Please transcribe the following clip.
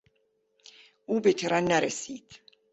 او به ترن نرسید.